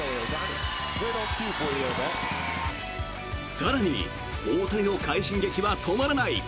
更に、大谷の快進撃は止まらない。